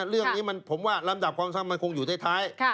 เรื่องนี้ผมว่าลำดับความซ้ำมันคงอยู่ท้าย